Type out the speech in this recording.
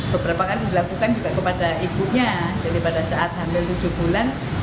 beberapa kali dilakukan juga kepada ibunya jadi pada saat hamil tujuh bulan